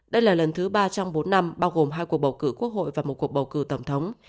đây là lần thứ ba trong bốn năm bao gồm hai cuộc bầu cử quốc hội và một cuộc bầu cử tổng thống